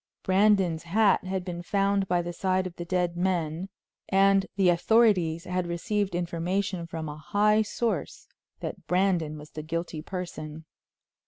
Brandon's hat had been found by the side of the dead men, and the authorities had received information from a high source that Brandon was the guilty person.